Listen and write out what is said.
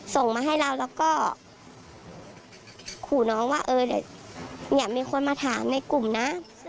ส่งมาให้เราแล้วก็ขู่น้องว่าเออเดี๋ยวอย่ามีคนมาถามในกลุ่มนะ